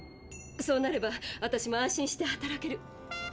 そうなれば私も安心して働ける。